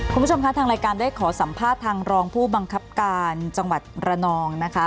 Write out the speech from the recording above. คุณผู้ชมคะทางรายการได้ขอสัมภาษณ์ทางรองผู้บังคับการจังหวัดระนองนะคะ